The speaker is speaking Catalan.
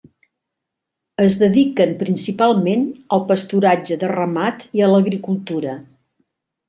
Es dediquen principalment al pasturatge de ramat i a l'agricultura.